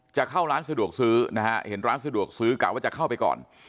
จะเข้าร้านสะดวกซื้อนะฮะเห็นร้านสะดวกซื้อกะว่าจะเข้าไปก่อน